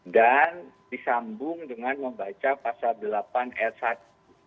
dan disambung dengan membaca pasal delapan r satu